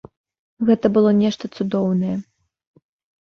Гэта было нешта цудоўнае.